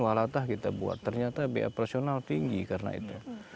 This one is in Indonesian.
walau kita buat ternyata biaya profesional tinggi karena itu